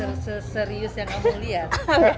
tidak serius yang om mau lihat